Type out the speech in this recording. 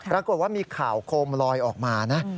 รับกริกว่ามีข่าวโคมลอยออกมานะ